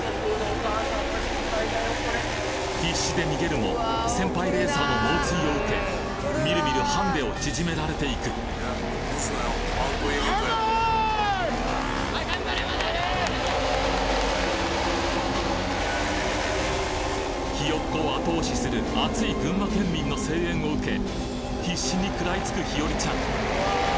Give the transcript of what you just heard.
必死で逃げるも先輩レーサーの猛追を受けみるみるハンデを縮められていくひよっこを後押しする熱い群馬県民の声援を受け必死に食らいつく日和ちゃん